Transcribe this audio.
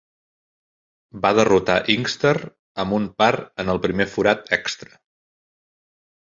Va derrotar Inkster amb un par en el primer forat extra.